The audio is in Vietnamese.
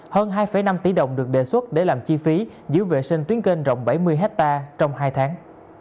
hơn hai năm tỷ đồng được đề xuất để làm chi phí giữ vệ sinh tuyến kênh rộng bảy mươi hectare trong hai tháng